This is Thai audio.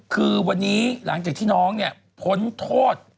คือวันนี้หลังจากที่น้องเนี่ยพ้นโทษ